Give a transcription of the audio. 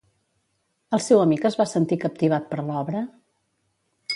El seu amic es va sentir captivat per l'obra?